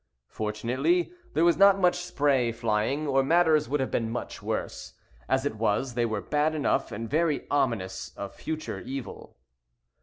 Fortunately there was not much spray flying, or matters would have been much worse. As it was, they were bad enough, and very ominous of future evil.